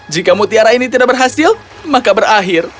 jika mutiara ini tidak berhasil maka berakhir